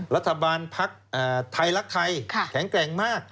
รัฐบาลภักดิ์ไทยรักไทยแข็งแกร่งมาก